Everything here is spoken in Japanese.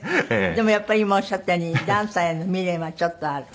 でもやっぱり今おっしゃったようにダンサーへの未練はちょっとある？